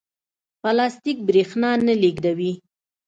پلاستیک برېښنا نه لېږدوي.